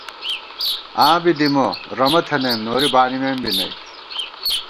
آں بی دِمہ ، رمہ تھنَئیم، نوری بانِمېم بی نئ